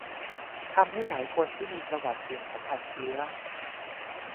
ทำให้หลายคนที่มีประวัติเสี่ยงสัมผัสเชื้อ